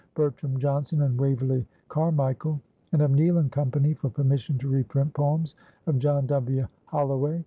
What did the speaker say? Bertram Johnson and Waverley Carmichael; and of Neale & Co. for permission to reprint poems of John W. Holloway.